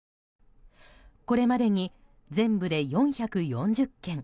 これまでに全部で４４０件。